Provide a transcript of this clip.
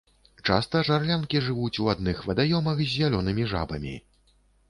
Часта жарлянкі жывуць у адных вадаёмах з зялёнымі жабамі.